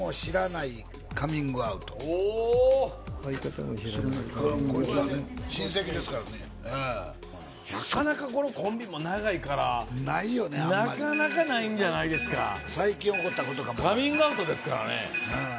なかなかこのコンビも長いからないよねあんまりなかなかないんじゃないですか最近起こったことかもカミングアウトですからね